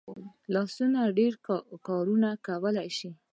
لاسونه ډېر کارونه کولی شي